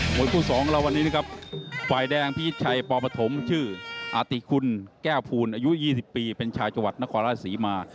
คู่สองเราวันนี้นะครับฝ่ายแดงพิชิตชัยปปฐมชื่ออาติคุณแก้วภูลอายุ๒๐ปีเป็นชาวจังหวัดนครราชศรีมา